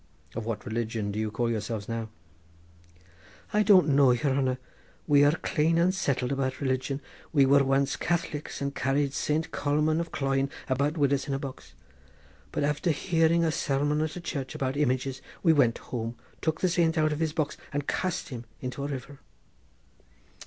"Of what religion do you call yourselves now?" "I don't know, yere hanner; we are clane unsettled about religion. We were once Catholics and carried Saint Colman of Cloyne about wid us in a box; but after hearing a sermon at a church about images, we went home, took the saint out of his box and cast him into a river."